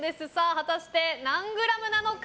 果たして、何グラムなのか。